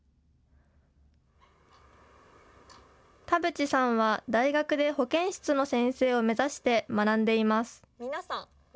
田渕さんは大学で保健室の先生を目指して学んでいます。